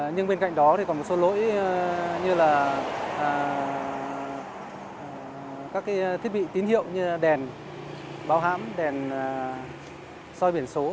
nhưng bên cạnh đó thì còn một số lỗi như là các thiết bị tín hiệu như là đèn báo hãm đèn soi biển số